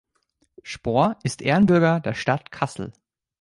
Spohr ist Ehrenbürger der Stadt Kassel.